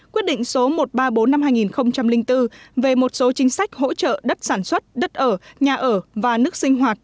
quyết định số một trăm ba mươi bốn năm hai nghìn bốn về một số chính sách hỗ trợ đất sản xuất đất ở nhà ở và nước sinh hoạt